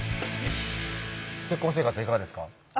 結婚生活はいかがですか？